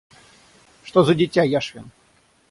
Что за дитя Яшвин?